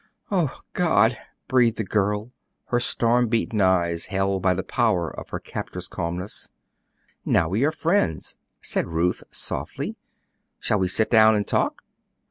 "O God!" breathed the girl, her storm beaten eyes held by the power of her captor's calmness. "Now we are friends," said Ruth, softly, "shall we sit down and talk?"